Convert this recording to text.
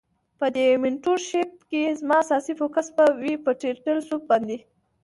په دی مینټور شیپ کی زما اساسی فوکس به وی په ټرټل سوپ باندی.